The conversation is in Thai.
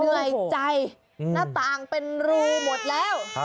เหนื่อยใจหน้าต่างเป็นรูหมดแล้ว